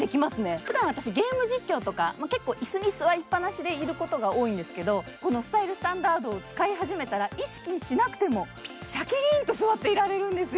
ふだん私、ゲーム実況とか座りっぱなしでいることが多いんですけど、このスタイルスタンダードを使い始めたら、意識しなくても、しゃきーんと座っていられるんですよ。